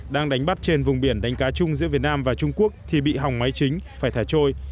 đang đánh bắt trên vùng biển đánh cá chung giữa việt nam và trung quốc thì bị hỏng máy chính phải thả trôi